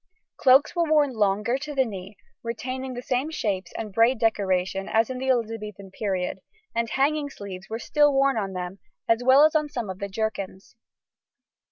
] Cloaks were worn longer to the knee, retaining the same shapes and braid decoration as in the Elizabethan period, and hanging sleeves were still worn on them, as well as on some of the jerkins.